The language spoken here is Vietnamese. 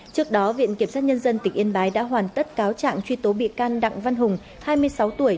trước đó viện kiểm sát nhân dân tỉnh yên bái đã hoàn tất cáo trạng truy tố bị can đặng văn hùng hai mươi sáu tuổi